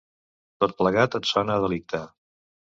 Tot plegat els sona a delicte.